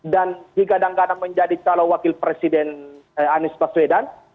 dan dikarenakan menjadi calon wakil presiden anies baswedan